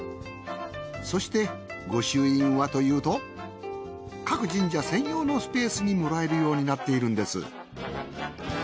そして御朱印はというと各神社専用のスペースにもらえるようになっているんです。